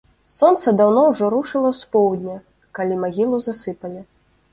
Сонца даўно ўжо рушыла з поўдня, калі магілу засыпалі.